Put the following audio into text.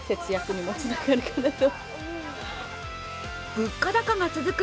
物価高が続く